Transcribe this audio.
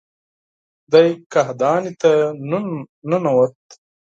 دی کاهدانې ته ننوت.